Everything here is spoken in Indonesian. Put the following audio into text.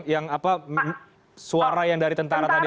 yang apa suara yang dari tentara tadi